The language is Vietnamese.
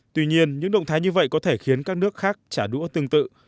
tuy nhiên những động thái như vậy có thể khiến các nước khác trả đũa tương tự